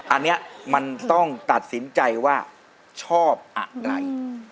อันนี้มันต้องตัดสินใจว่าชอบอะไร